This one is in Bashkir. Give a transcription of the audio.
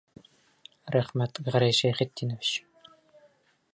Рәхмәт, Гәрәй Шәйхетдинович!